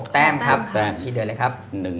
แต้มครับคิดเดินเลยครับ